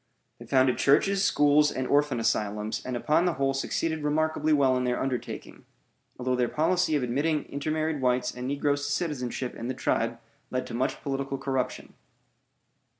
They founded churches, schools, and orphan asylums, and upon the whole succeeded remarkably well in their undertaking, although their policy of admitting intermarried whites and negroes to citizenship in the tribe led to much political corruption.